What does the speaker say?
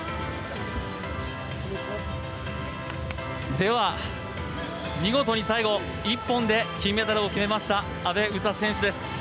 では、見事に最後一本で金メダルを決めました阿部詩選手です。